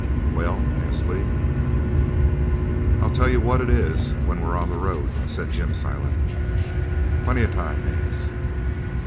"Well?" asked Lee. "I'll tell you what it is when we're on the road," said Jim Silent. "Plenty of time, Haines."